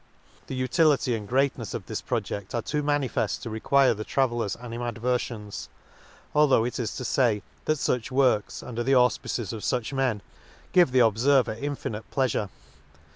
— The utility and greatnefs of this project are too manifeft to require the traveller's anirnadveriions ; enough it is to fay, that fuch works, under the auf pices of fuch men, give the obferver in finite pleafure.